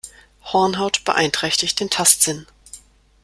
Hornhaut beeinträchtigt den Tastsinn.